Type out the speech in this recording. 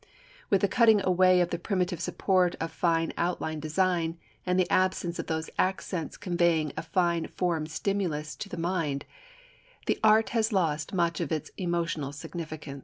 With the cutting away of the primitive support of fine outline design and the absence of those accents conveying a fine form stimulus to the mind, art has lost much of its emotional significance.